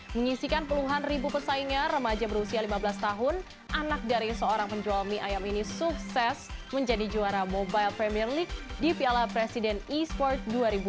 mengisikan puluhan ribu pesaingnya remaja berusia lima belas tahun anak dari seorang penjual mie ayam ini sukses menjadi juara mobile premier league di piala presiden e sport dua ribu dua puluh